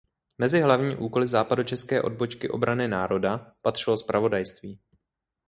Mezi hlavní úkoly západočeské odbočky Obrany národa patřilo zpravodajství.